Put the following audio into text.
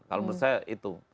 kalau menurut saya itu